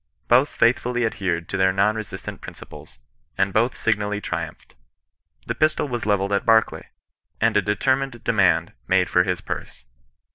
Both faithfully adhered to their non resist ance principles, and both signally triumphed. The pistol was levelled at Barclay, and a determined demand made for his purse.